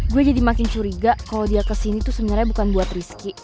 gue jadi makin curiga kalau dia kesini tuh sebenarnya bukan buat rizky